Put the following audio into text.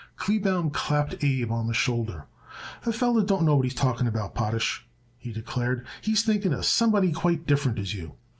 Kleebaum clapped Abe on the shoulder. "The feller don't know what he's talking about, Potash," he declared. "He's thinking of somebody quite different as you.